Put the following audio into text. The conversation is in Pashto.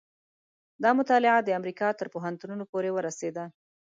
دا مطالعه د امریکا تر پوهنتونونو پورې ورسېده.